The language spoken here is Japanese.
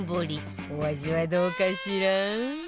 お味はどうかしら？